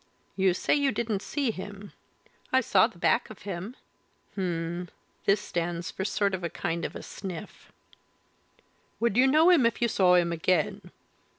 "You say you didn't see him?" "I saw the back of him." "Hum!" This stands for a sort of a kind of a sniff. "Would you know him if you saw him again?"